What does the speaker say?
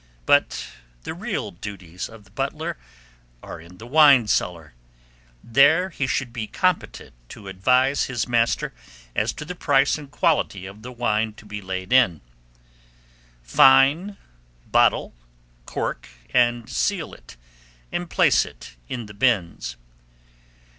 But the real duties of the butler are in the wine cellar; there he should be competent to advise his master as to the price and quality of the wine to be laid in; "fine," bottle, cork, and seal it, and place it in the binns.